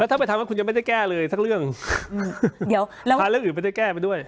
ถ้าไปทำแล้วคุณยังไม่ได้แก้เลยสักเรื่องเดี๋ยวเราพาเรื่องอื่นไม่ได้แก้ไปด้วย